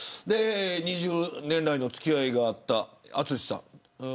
２０年来の付き合いがあった淳さん。